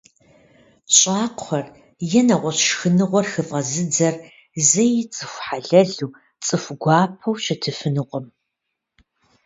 ЩӀакхъуэр е нэгъуэщӀ шхыныгъуэр хыфӀэзыдзэр зэи цӀыху хьэлэлу, цӀыху гуапэу щытыфынукъым.